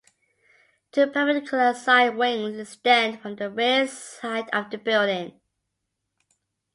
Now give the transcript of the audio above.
Two perpendicular side wings extend from the rear side of the building.